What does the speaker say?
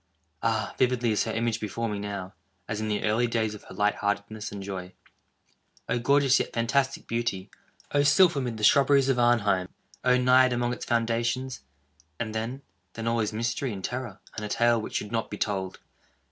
Ah, vividly is her image before me now, as in the early days of her light heartedness and joy! Oh, gorgeous yet fantastic beauty! Oh, sylph amid the shrubberies of Arnheim! Oh, Naiad among its fountains! And then—then all is mystery and terror, and a tale which should not be told.